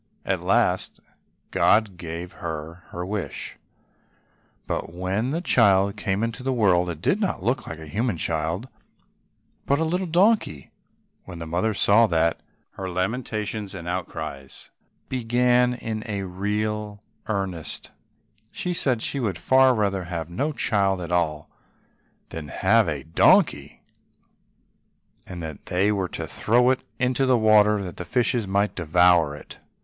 At last God gave her her wish, but when the child came into the world, it did not look like a human child, but was a little donkey. When the mother saw that, her lamentations and outcries began in real earnest; she said she would far rather have had no child at all than have a donkey, and that they were to throw it into the water that the fishes might devour it.